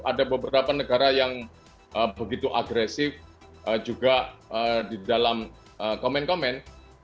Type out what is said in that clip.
ada beberapa negara yang begitu agresif juga di dalam komen komen